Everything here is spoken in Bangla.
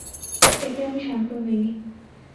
এতে আমি শান্ত হইনি।